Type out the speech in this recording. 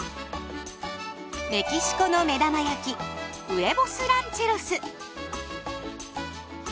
メキシコのめだま焼きウエボス・ランチェロス。